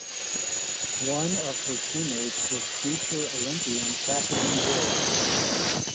One of her teammates was future Olympian Catherine Ward.